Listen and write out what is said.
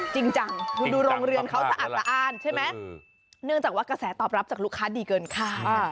จริงจังคุณดูโรงเรือนเขาสะอาดสะอ้านใช่ไหมเนื่องจากว่ากระแสตอบรับจากลูกค้าดีเกินคาด